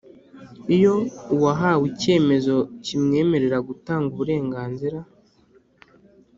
Iyo uwahawe icyemezo kimwemerera gutanga uburenganzira